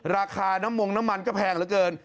ราคาน้ำมงน้ำมันก็แพงเหลือเกิน